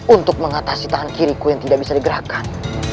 untuk mengatasi tangan kiriku yang tidak bisa digerakkan